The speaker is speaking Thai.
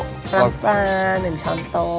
น้ำปลา๑ช้อนโต